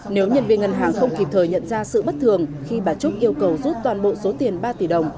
nếu nhân viên ngân hàng không kịp thời nhận ra sự bất thường khi bà trúc yêu cầu rút toàn bộ số tiền ba tỷ đồng